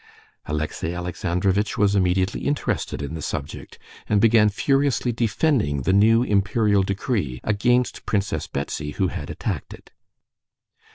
Alexey Alexandrovitch was immediately interested in the subject, and began seriously defending the new imperial decree against Princess Betsy, who had attacked it.